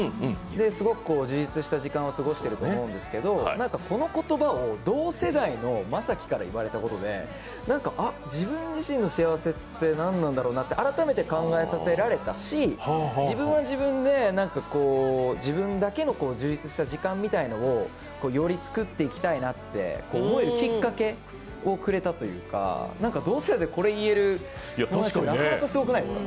すごく充実した時間を過ごしていると思うんですけどこの言葉を同世代の将暉から言われたことであ、自分自身の幸せってなんだろうなと改めて考えさせられたし、自分は自分で自分だけの自立した時間みたいなのをよりつくっていきたいなと思えるきっかけをもらったというか同世代でこれ言えるのってなかなかすごくないですか？